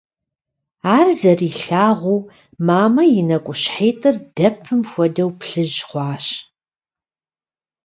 Ар зэрилъагъуу, мамэ и нэкӀущхьитӀыр, дэпым хуэдэу, плъыжь хъуащ.